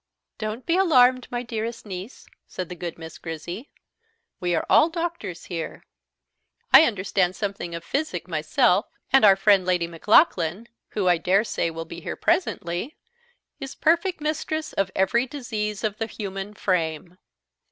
"Don't be alarmed, my dearest niece," said the good Miss Grizzy; "we are all doctors here. I understand something of physic myself; and our friend Lady Maclaughlan, who, I daresay, will be here presently, is perfect mistress of every disease of the human frame."